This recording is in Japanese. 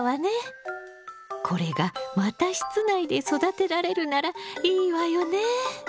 これがまた室内で育てられるならいいわよね！